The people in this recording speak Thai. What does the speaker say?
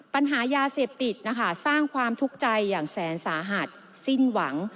ปัญหายาเสพติดนะคะสร้างความทุกข์ใจอย่างแสนสาหัสสิ้นหวัง